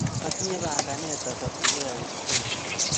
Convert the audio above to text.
Atinye panganet atakchigei Australia.